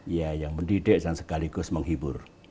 ya yang mendidik dan sekaligus menghibur